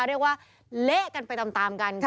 เรียกว่าเละกันไปตามกัน